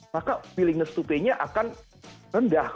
maka feelingness to pay nya akan rendah